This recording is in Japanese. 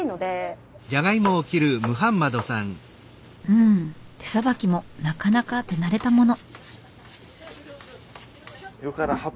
うん手さばきもなかなか手慣れたもの。